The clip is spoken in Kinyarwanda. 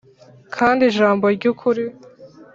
Kandi ijambo ry ukuri